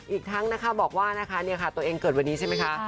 อีกทั้งนะคะบอกว่านะคะตัวเองเกิดวันนี้ใช่ไหมคะ